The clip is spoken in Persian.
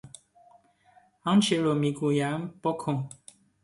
آنچه را من میگویم بکن.